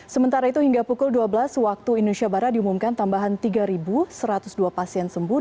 sementara itu hingga pukul dua belas waktu indonesia barat diumumkan tambahan tiga satu ratus dua pasien sembuh